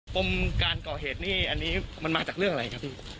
ปมการก่อเหตุนี่อันนี้มันมาจากเรื่องอะไรครับพี่